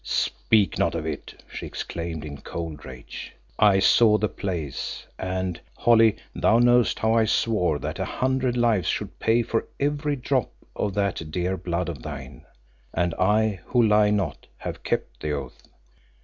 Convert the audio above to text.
"Speak not of it," she exclaimed in cold rage. "I saw the place and, Holly, thou knowest how I swore that a hundred lives should pay for every drop of that dear blood of thine, and I, who lie not, have kept the oath.